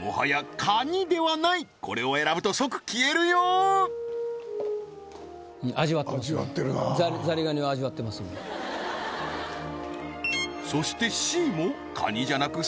もはやカニではないこれを選ぶと即消えるよ味わってるなザリガニを味わってますのでそしてＣもカニじゃなく